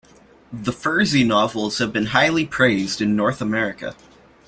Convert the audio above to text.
The Fursey novels have been highly praised in North America.